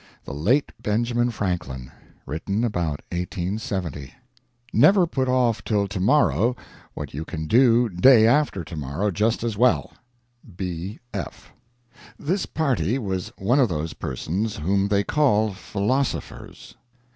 THE LATE BENJAMIN FRANKLIN [Written about 1870.] ["Never put off till to morrow what you can do day after to morrow just as well." B. F.] This party was one of those persons whom they call Philosophers.